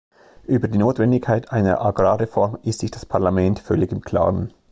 Über die Notwendigkeit einer Agrarreform ist sich das Parlament völlig im klaren.